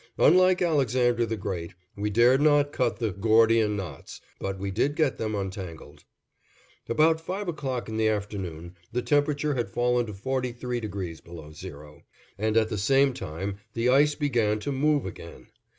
Unlike Alexander the Great, we dared not cut the "Gordian Knots," but we did get them untangled. About five o'clock in the afternoon, the temperature had fallen to 43° below zero, and at the same time the ice began to move again.